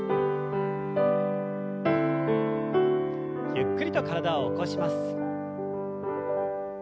ゆっくりと体を起こします。